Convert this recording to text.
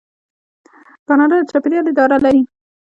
کاناډا د چاپیریال اداره لري.